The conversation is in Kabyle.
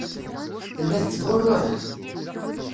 Tella tettgurruɛ-d.